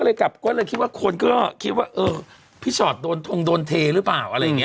ก็เลยกลับก็เลยคิดว่าคนก็คิดว่าเออพี่ชอตโดนทงโดนเทหรือเปล่าอะไรอย่างเง